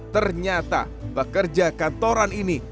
ternyata pekerja kantoran ini